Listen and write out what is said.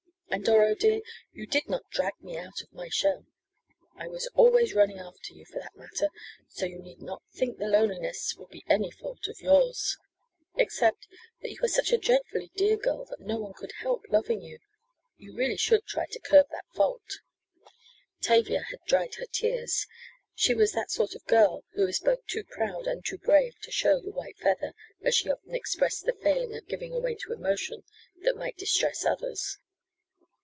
And, Doro dear, you did not drag me out of my shell I was always running after you for that matter, so you need not think the loneliness will be any fault of yours except that you are such a dreadfully dear girl that no one could help loving you. You really should try to curb that fault." Tavia had dried her tears. She was that sort of girl who is both too proud and too brave to show "the white feather" as she often expressed the failing of giving away to emotion that might distress others.